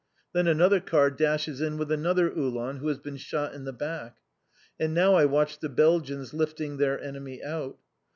Then another car dashes in with another Uhlan, who has been shot in the back. And now I watch the Belgians lifting their enemy out.